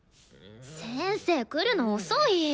先生来るの遅い！